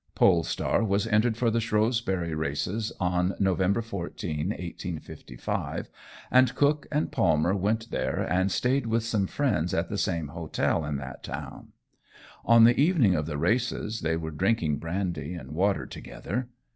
Polestar was entered for the Shrewsbury races on November 14, 1855, and Cook and Palmer went there and stayed with some friends at the same hotel in that town. On the evening of the races they were drinking brandy and water together.